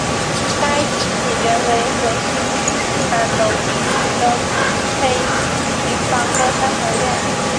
该遗址原为河西区西南楼地区的土坯平房的三合院。